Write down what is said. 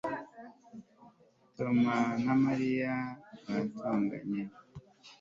Tom na Mariya batonganye